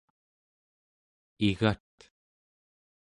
igat